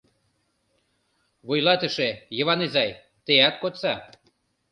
Вуйлатыше, Йыван изай, теат кодса.